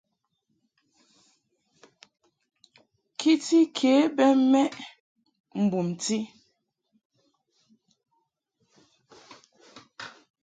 Kiti ke bɛ mɛʼ mbumti.